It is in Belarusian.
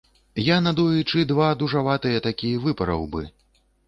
Я надоечы два дужаватыя такі выпараў быў.